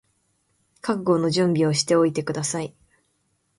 覚悟の準備をしておいてください